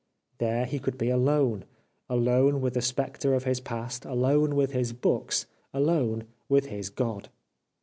There he could be alone — alone with the spectre of his past, alone with his books, alone with his God